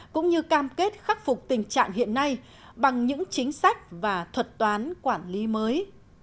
cũng như cam kết khắc phục tình trạng hiện nay bằng những chính sách và thuật toán quản lý mới